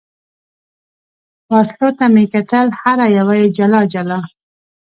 وسلو ته مې کتل، هره یوه یې جلا جلا.